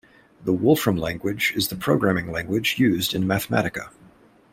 The Wolfram Language is the programming language used in Mathematica.